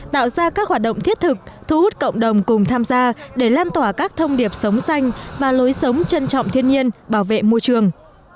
tạo ra các hoạt động thiết thực thu hút cộng đồng cùng tham gia để lan tỏa các thông điệp sống xanh và lối sống trân trọng thiên nhiên bảo vệ môi trường